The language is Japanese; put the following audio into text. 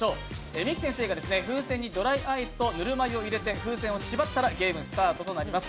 美樹先生が風船にドライアイスとぬるま湯を入れて風船を縛ったら、ゲームスタートとなります。